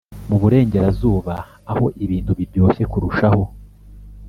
Mu Burengerazuba aho ibintu biryoshye kurushaho